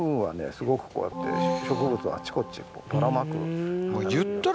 すごくこうやって植物をあっちこっちへばらまく。